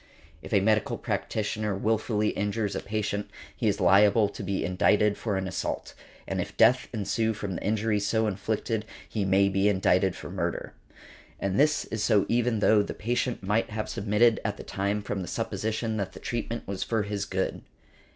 If a medical practitioner wilfully injures a patient he is liable to be indicted for an assault, and if death ensue from the injuries so inflicted he may be indicted for murder. And this is so even though the patient might have submitted at the time from the supposition that the treatment was for his good.